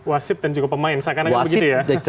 wasit dan juga pemain seakan akan begitu ya